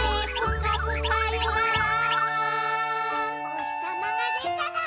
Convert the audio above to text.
「おひさまがでたら」